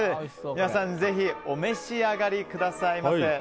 皆さんぜひお召し上がりください。